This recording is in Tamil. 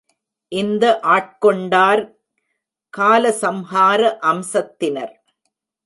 இந்த ஆட்கொண்டார் காலசம்ஹார அம்சத்தினர்.